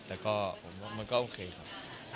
แต่ก็มันก็โอเคครับ